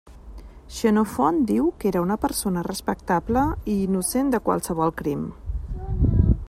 Xenofont diu que era una persona respectable i innocent de qualsevol crim.